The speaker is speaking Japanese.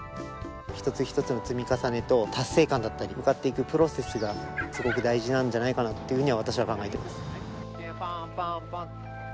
一つ一つの積み重ねと達成感だったり向かっていくプロセスがすごく大事なんじゃないかなっていうふうに私は考えています。